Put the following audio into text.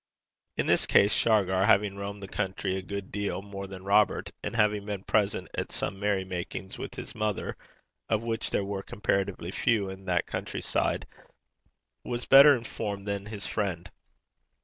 In this case Shargar, having roamed the country a good deal more than Robert, and having been present at some merry makings with his mother, of which there were comparatively few in that country side, was better informed than his friend.